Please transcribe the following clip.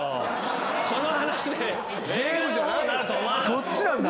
そっちなんだ。